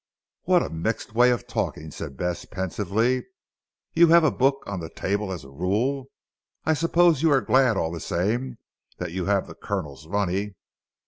"What a mixed way of talking," said Bess pensively, "you have a book on the table as a rule, I suppose you are glad all the same that you have the Colonel's money?"